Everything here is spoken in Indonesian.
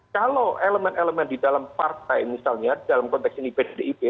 kalau elemen elemen di dalam partai misalnya dalam konteks ini pdip